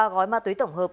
ba gói ma túy tổng hợp